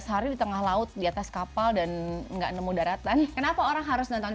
lima belas hari di tengah laut di atas kapal dan enggak nemu daratan kenapa orang harus nonton